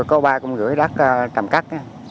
mình có ba con rưỡi đất trầm cắt